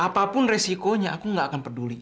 apapun resikonya aku nggak akan peduli